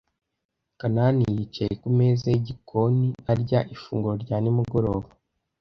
Kanani yicaye kumeza yigikoni arya ifunguro rya nimugoroba.